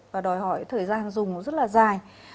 và đòi hỏi thời gian dùng rất là dài